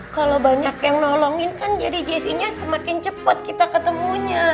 kalau banyak yang nolongin kan jadi jessi nya semakin cepat kita ketemunya